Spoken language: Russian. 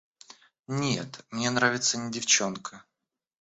Нет, мне нравится не девчонка.